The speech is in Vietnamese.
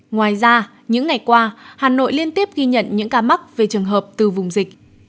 ngoài ra những ngày qua hà nội liên tiếp ghi nhận những ca mắc về trường hợp từ vùng dịch